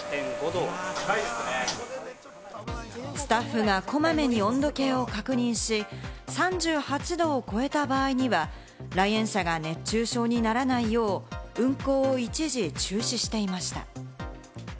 スタッフがこまめに温度計を確認し、３８度を超えた場合には、来園者が熱中症にならないよう、運行を一時中止していました。